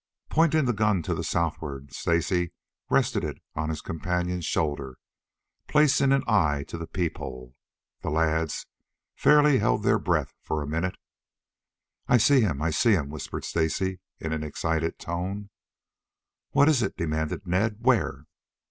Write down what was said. Pointing the gun to the southward, Stacy rested it on his companion's shoulder, placing an eye to the peep hole. The lads fairly held their breath for a minute. "I see him! I see him!" whispered Stacy in an excited tone. "What is it?" demanded Ned. "Where?"